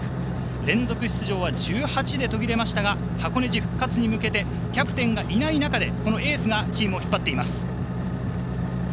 連続出場は１８で途切れましたが、箱根路復活に向けてキャプテンがいない中でエースがチームを引っ張っています。